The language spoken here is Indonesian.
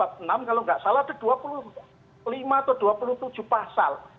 kalau nggak salah ada dua puluh lima atau dua puluh tujuh pasal